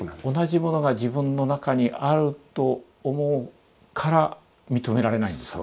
同じものが自分の中にあると思うから認められないんですか？